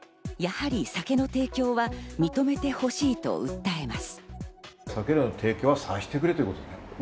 やはり酒の提供は認めてほしいと訴えます。